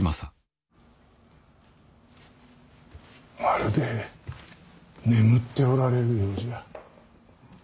まるで眠っておられるようじゃ。